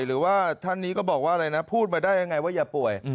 หรือว่าท่านนี้ก็บอกว่าอะไรนะพูดมาได้ยังไงว่าอย่าป่วย